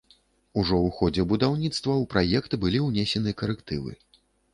Ужо ў ходзе будаўніцтва ў праект былі ўнесены карэктывы.